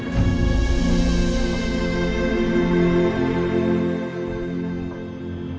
saya yang ikut membesarkan nisa